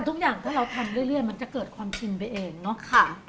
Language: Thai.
ทุกอย่างถ้าเราทำเรื่อยมันจะเกิดความชินไปเองเนาะ